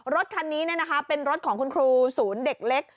รถคันนี้เป็นรถของคุณครูศูนย์เด็กเล็ก